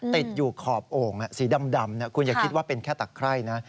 ติดอยู่ขอบโอ่งสีดำคุณอย่าคิดว่าเป็นแค่ตะไคร่นะ